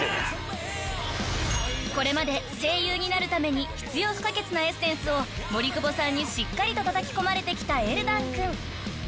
［これまで声優になるために必要不可欠なエッセンスを森久保さんにしっかりとたたき込まれてきたエルダン君］